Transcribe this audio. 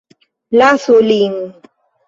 Lasu lin!